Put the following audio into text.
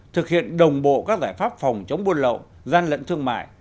thực hiện đồng bộ các giải pháp phòng chống buôn lậu gian lận thương mại